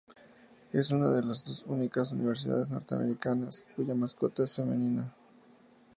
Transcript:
Es una de las dos únicas universidades norteamericanas cuya mascota es femenina.